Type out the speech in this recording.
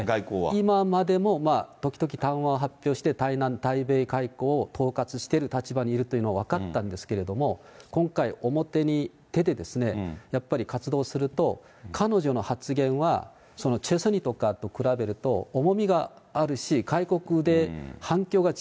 今までも時々談話は発表して、対南、対米外交を統括している立場にいるということは分かったんですけれども、今回、表に出て、やっぱり活動すると彼女の発言は、チェ・ソニとかと比べると、比べると、重みがあるし、外国で反響